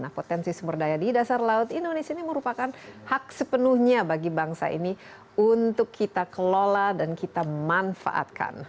nah potensi sumber daya di dasar laut indonesia ini merupakan hak sepenuhnya bagi bangsa ini untuk kita kelola dan kita manfaatkan